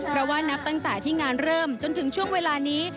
เพราะว่านับตั้งแต่ที่งานเริ่มจนถึงช่วงเวลานี้